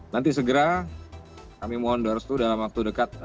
nanti segera kami mohon doros itu dalam waktu dekat